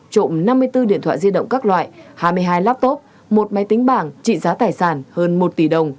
trộm năm mươi bốn điện thoại di động các loại hai mươi hai laptop một máy tính bảng trị giá tài sản hơn một tỷ đồng